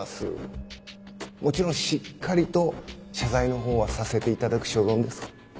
もちろんしっかりと謝罪の方はさせていただく所存です。